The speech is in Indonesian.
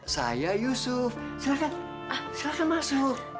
saya yusuf silahkan masuk